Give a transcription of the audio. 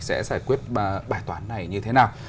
sẽ giải quyết bài toán này như thế nào